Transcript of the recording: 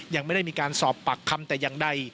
ยังไม่ได้มีการสอบปากคำแต่อย่างใด